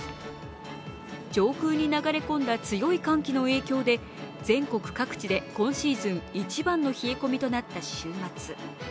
上空に流れ込んだ強い寒気の影響で全国各地で今シーズン一番の冷え込みとなった週末。